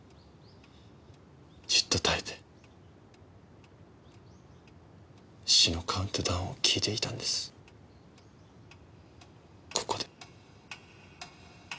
じっと耐えて死のカウントダウンを聞いていたんですここで。